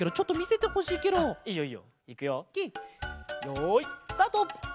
よいスタート！